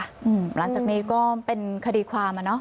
หลังจากนี้ก็เป็นคดีความ